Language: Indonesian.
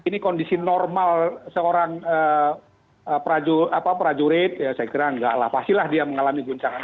tapi kalau misi normal seorang prajurit ya saya kira enggak lah pastilah dia mengalami guncangan